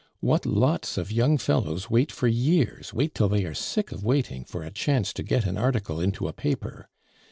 "What lots of young fellows wait for years, wait till they are sick of waiting, for a chance to get an article into a paper!